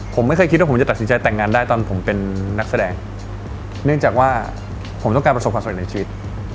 ผมไม่เคยคิดว่าผมจะตัดสินใจแต่งงานได้ตอนผมเป็นนักแสดงเนื่องจากว่าผมต้องการประสบความสำเร็จในชีวิต